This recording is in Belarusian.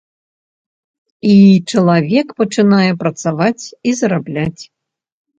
І чалавек пачынае працаваць і зарабляць.